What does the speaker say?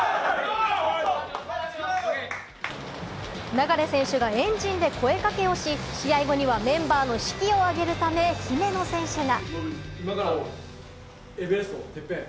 流選手が円陣で声かけをし、試合後にはメンバーの士気を上げるため、姫野選手が。